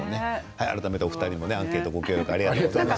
改めてお二人もアンケートありがとうございます。